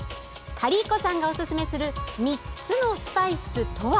カリー子さんがおすすめする３つのスパイスとは。